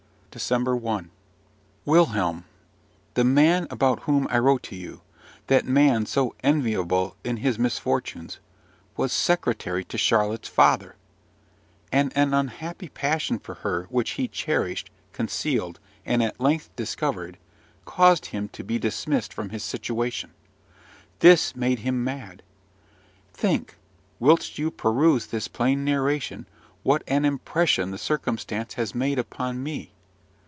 DECEMBER 1. Wilhelm, the man about whom I wrote to you that man so enviable in his misfortunes was secretary to Charlotte's father; and an unhappy passion for her which he cherished, concealed, and at length discovered, caused him to be dismissed from his situation. This made him mad. Think, whilst you peruse this plain narration, what an impression the circumstance has made upon me!